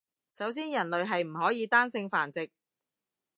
首先人類係唔可以單性繁殖